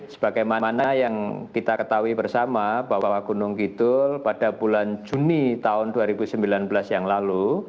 sebagaimana yang kita ketahui bersama bahwa gunung kidul pada bulan juni tahun dua ribu sembilan belas yang lalu